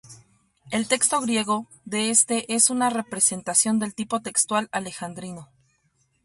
El texto griego de este es una representación del tipo textual alejandrino.